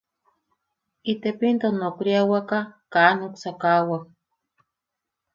Itepinto nokriawak kaa... kaa nuksakawak.